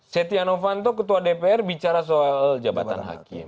setia novanto ketua dpr bicara soal jabatan hakim